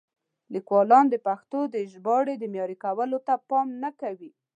لیکوالان د پښتو د ژباړې د معیار لوړولو ته پام نه کوي.